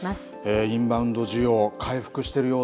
インバウンド需要、回復してるよ